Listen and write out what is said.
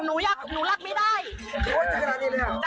จ้ะหนูรักไม่ได้จริงจ้ะหนูรักไม่ได้จริงจ้ะ